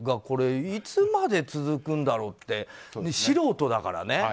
これいつまで続くんだろうって素人だからね